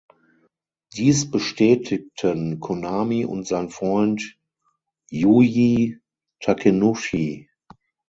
Dies bestätigten Konami und sein Freund Yuji Takenouchi.